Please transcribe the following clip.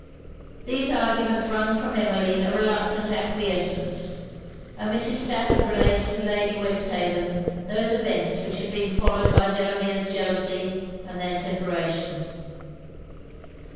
These arguments wrung from Emmeline a reluctant acquiescence: and Mrs. Stafford related to Lady Westhaven those events which had been followed by Delamere's jealousy and their separation.